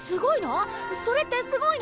それってすごいの？